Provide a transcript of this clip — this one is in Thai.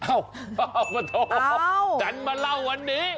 อ้าวมาโทรฉันมาเล่าวันนี้อ้าว